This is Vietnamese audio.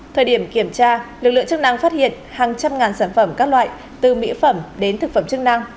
thời điểm kiểm tra lực lượng chức năng phát hiện hàng trăm ngàn sản phẩm các loại từ mỹ phẩm đến thực phẩm chức năng